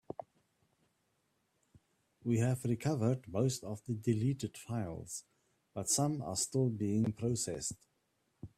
We have recovered most of the deleted files, but some are still being processed.